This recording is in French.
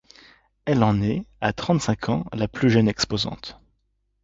Elle en est, à trente-cinq ans, la plus jeune exposante.